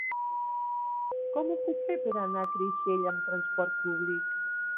Com ho puc fer per anar a Creixell amb trasport públic?